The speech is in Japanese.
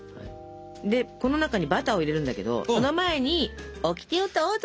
この中にバターを入れるんだけどその前にオキテをどうぞ。